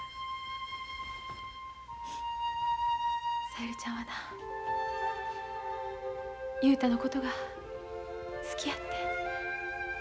小百合ちゃんはな雄太のことが好きやってん。